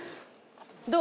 どう？